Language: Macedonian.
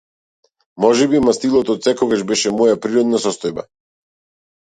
Можеби мастилото отсекогаш беше моја природна состојба.